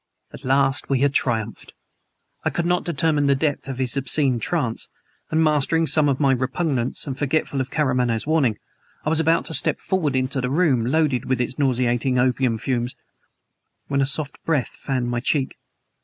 At last we had triumphed. I could not determine the depth of his obscene trance; and mastering some of my repugnance, and forgetful of Karamaneh's warning, I was about to step forward into the room, loaded with its nauseating opium fumes, when a soft breath fanned my cheek.